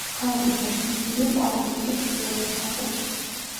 ქალაქი გაშენებულია ტარანაკის ჩრდილოეთ ნაწილში.